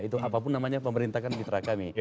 itu apapun namanya pemerintah kan mitra kami